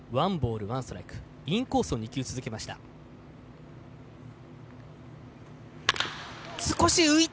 インコースを２球続けました。